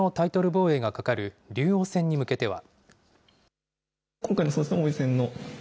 防衛がかかる竜王戦に向けては。